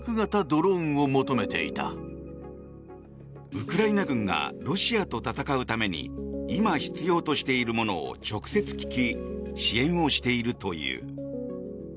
ウクライナ軍がロシアと戦うために今必要としているものを直接聞き支援をしているという。